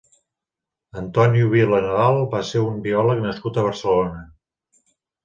Antonio Vila Nadal va ser un biòleg nascut a Barcelona.